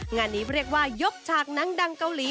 งานนี้เรียกว่ายกฉากหนังดังเกาหลี